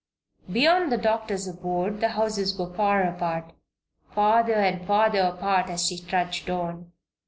Beyond the doctor's abode the houses were far apart farther and farther apart as she trudged on.